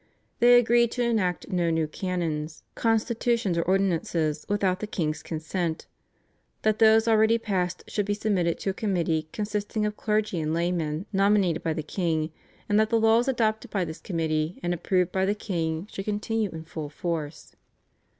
They agreed to enact no new canons, constitutions or ordinances without the king's consent, that those already passed should be submitted to a committee consisting of clergy and laymen nominated by the king, and that the laws adopted by this committee and approved by the king should continue in full force.